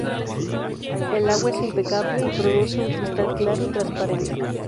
El agua es impecable y produce un cristal claro y transparente.